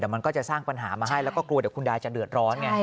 แต่มันก็จะสร้างปัญหามาให้แล้วก็กลัวเดี๋ยวคุณยายจะเดือดร้อนไง